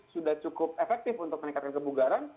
sudah cukup efektif untuk meningkatkan kebugaran